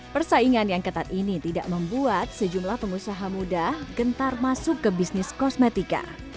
persaingan yang ketat ini tidak membuat sejumlah pengusaha muda gentar masuk ke bisnis kosmetika